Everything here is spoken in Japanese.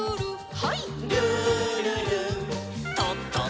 はい。